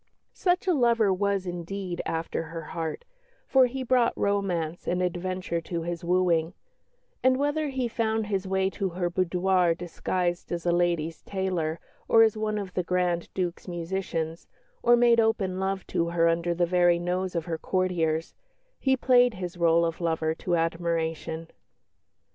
Such a lover was, indeed, after her heart, for he brought romance and adventure to his wooing; and whether he found his way to her boudoir disguised as a ladies' tailor or as one of the Grand Duke's musicians, or made open love to her under the very nose of her courtiers, he played his rôle of lover to admiration.